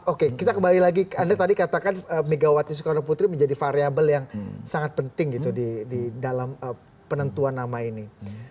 oke kita kembali lagi anda tadi katakan megawati soekarno putri menjadi variable yang sangat penting gitu di dalam penentuan nama ini